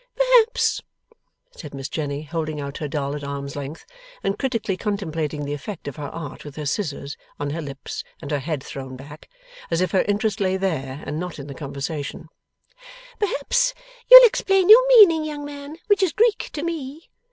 'Perhaps,' said Miss Jenny, holding out her doll at arm's length, and critically contemplating the effect of her art with her scissors on her lips and her head thrown back, as if her interest lay there, and not in the conversation; 'perhaps you'll explain your meaning, young man, which is Greek to me.